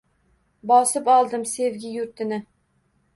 Bosib oldim sevgi yurtini